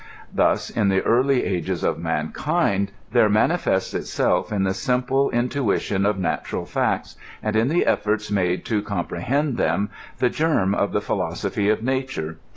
Thus, in the INTEODUCTION. 77 early i^geg of mankind, there manifests itself in the simple in tuition of natural £ict9> and in the efibrts made to compre hend them, the germ of the philosophy of nature.